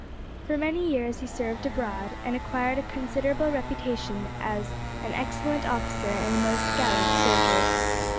For many years he served abroad, and acquired a considerable reputation as an excellent officer and a most gallant soldier.